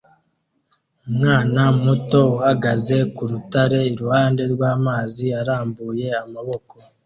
Umwana muto uhagaze ku rutare iruhande rw'amazi arambuye amaboko